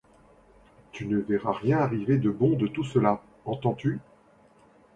Tu ne verras rien arriver de bon de tout cela, entends-tu ?